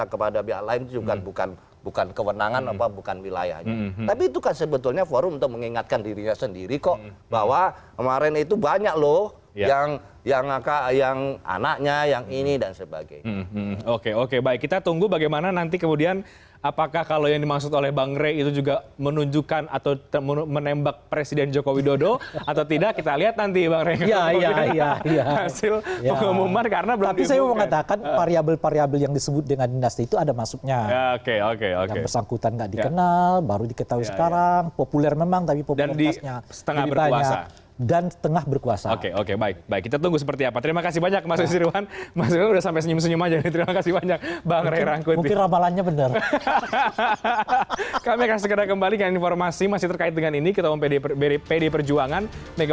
kami akan segera kembali keskitaran informasi yang masih terkait dengan ini ketemu pd perjuangan